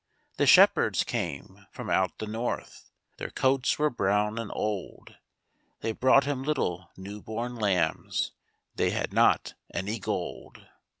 The shepherds came from out the north, Their coats were brown and old, They brought Him little new born lambs They had not any gold.